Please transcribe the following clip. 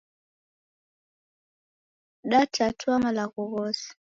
Datatua malagho ghose